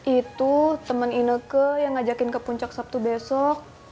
itu temen ineke yang ngajakin ke puncak sabtu besok